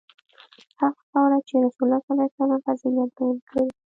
هغه خاوره چې رسول الله فضیلت بیان کړی.